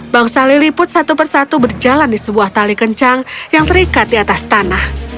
bangsa lilliput satu persatu berjalan di sebuah tali kencang yang terikat di atas tanah